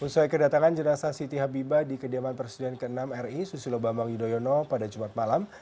usai kedatangan jenazah siti habibah di kediaman presiden ke enam ri susilo bambang yudhoyono pada jumat malam